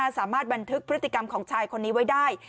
บันทึกพฤติกรรมของชายคนนี้ไว้ได้